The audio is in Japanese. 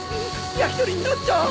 焼き鳥になっちゃーう！